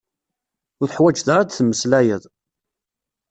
Ur teḥwaǧeḍ ara ad tmeslayeḍ.